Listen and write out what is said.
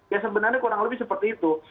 ya sebenarnya kurang lebih seperti itu